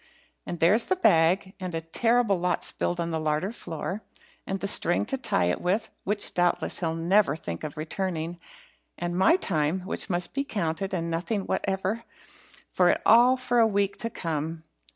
And there's the bag and a terrible lot spilled on the larder floor and the string to tie it with, which doubtless he'll never think of returning and my time, which must be counted, and nothing whatever for it all for a week to come."